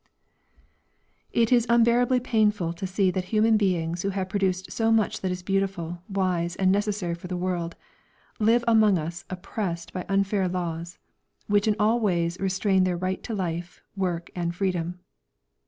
It is unbearably painful to see that human beings who have produced so much that is beautiful, wise and necessary for the world, live among us oppressed by unfair laws, which in all ways restrain their right to life, work and freedom.